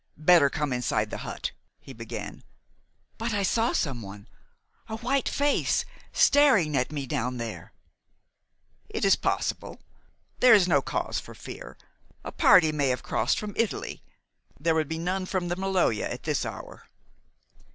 "Better come inside the hut," he began. "But I saw someone a white face staring at me down there!" "It is possible. There is no cause for fear. A party may have crossed from Italy. There would be none from the Maloja at this hour."